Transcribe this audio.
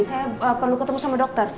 saya perlu ketemu sama dokter